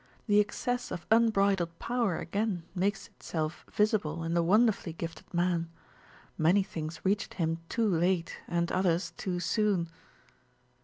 The excess of unbridled power again makes it self visible in the wonderfully gifted man. Many things reached him too late, and others too soon."